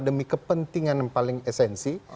demi kepentingan yang paling esensi